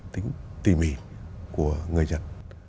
tính tỉ mỉ của người nhật